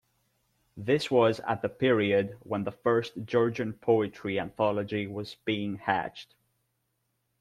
This was at the period when the first "Georgian Poetry" anthology was being hatched.